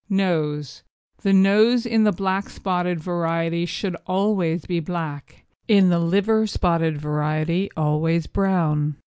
NOSE The nose in the black spotted variety should always be black, in the liver spotted variety always brown.